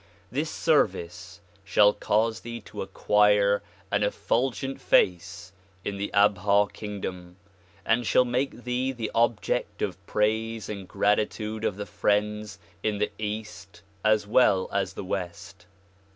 This service shall cause thee to acquire an effulgent face in the Abha kingdom and shall make thee the object of praise and gratitude of the friends in the east as well as the west.